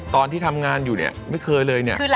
ตอนที่ทำงานอยู่เนี่ยไม่เคยเลยเนี่ย